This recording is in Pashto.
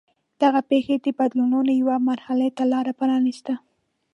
دغه پېښې د بدلونونو یوې مرحلې ته لار پرانېسته.